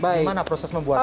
bagaimana proses membuatnya